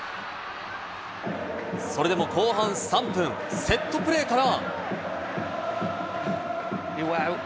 それでも後半３分、セットプレーから。